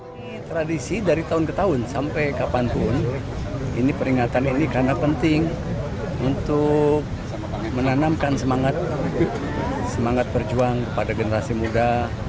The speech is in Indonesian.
ini tradisi dari tahun ke tahun sampai kapanpun ini peringatan ini karena penting untuk menanamkan semangat berjuang kepada generasi muda